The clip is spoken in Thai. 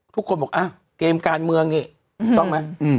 ทุกคนบอกเกมการเมืองนี่ต้องไหม